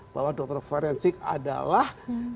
bahwa dokter forensik adalah